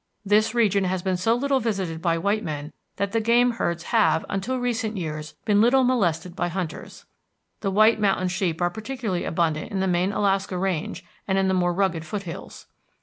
This region has been so little visited by white men that the game herds have, until recent years, been little molested by hunters. The white mountain sheep are particularly abundant in the main Alaska Range, and in the more rugged foothills.